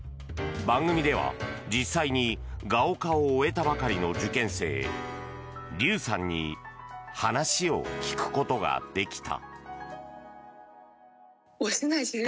番組では実際にガオカオを終えたばかりの受験生リュウさんに話を聞くことができた。